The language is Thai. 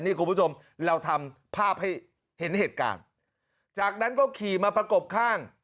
นี่คุณผู้ชมเราทำภาพให้เห็นเหตุการณ์จากนั้นก็ขี่มาประกบข้าง